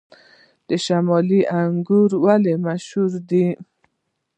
د شمالي انګور ولې مشهور دي؟